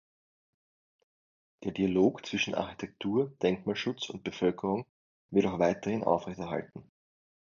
Der Dialog zwischen Architektur, Denkmalschutz und Bevölkerung wird auch weiterhin aufrecht erhalten.